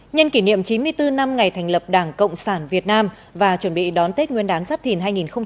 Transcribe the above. nhân kỷ niệm chín mươi bốn năm ngày thành lập đảng cộng sản việt nam và chuẩn bị đón tết nguyên đán giáp thìn hai nghìn hai mươi bốn